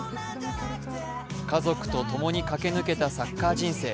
家族とともに駆け抜けたサッカー人生。